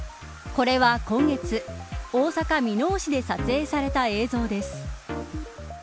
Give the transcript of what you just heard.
これは今月大阪・箕面市で撮影された映像です。